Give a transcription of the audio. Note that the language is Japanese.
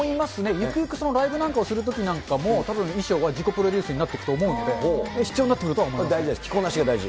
ゆくゆく、ライブなんかをするときなんかも、たぶん衣装は自己プロデュースになっていくと思うので、必要にな着こなしが大事。